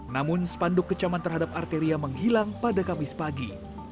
namun spanduk kecaman terhadap arteria menghilang pada kamis pagi